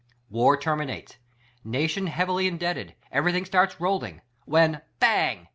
War terminates; nation heavily indebted; everything starts rolling; when, bang